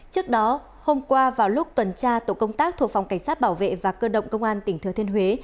trước đó hôm qua vào lúc tuần tra tổ công tác thuộc phòng cảnh sát bảo vệ và cơ động công an tỉnh thừa thiên huế